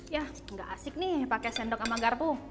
ya nggak asik nih pakai sendok sama garpu